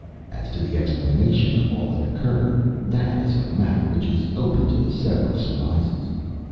As to the explanation of all that occurred that is a matter which is open to several surmises.